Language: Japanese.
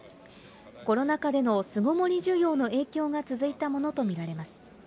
コロナ禍での巣ごもり需要の影響が続いたものと見られます。